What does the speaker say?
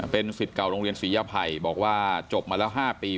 เป็นสิทธิ์เก่าโรงเรียนศรียภัยบอกว่าจบมาแล้ว๕ปี